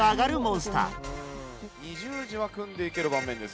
２十字は組んでいける盤面です